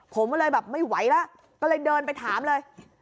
ผมก็เลยแบบไม่ไหวแล้วก็เลยเดินไปถามเลย